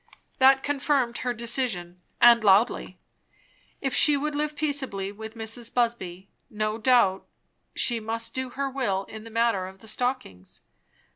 That confirmed her decision, and loudly. If she would live peaceably with Mrs. Busby, no doubt she must do her will in the matter of the stockings.